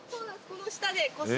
この下の。